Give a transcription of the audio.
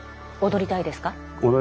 踊りたいですね